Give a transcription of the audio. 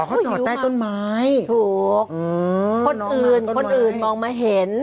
เขาเต้าใต้ต้นไม้ถูกคนอื่นมองมาเห็น